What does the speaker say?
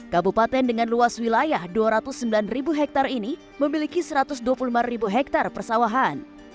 kabupaten dengan luas wilayah dua ratus sembilan hektare ini memiliki satu ratus dua puluh lima ribu hektare persawahan